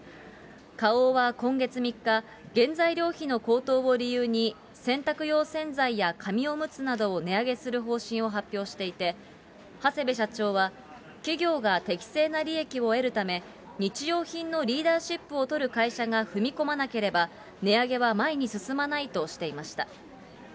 花王は今月３日、原材料費の高騰を理由に洗濯用洗剤や紙おむつなどを値上げする方針を発表していて、長谷部社長は、企業が適正な利益を得るため、日用品のリーダーシップを取る会社が踏み込まなければ、値上げは前に進まないとしていました。